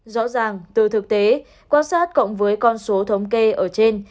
rõ ràng từ thực tế quan sát cộng với con số thống kê ở trên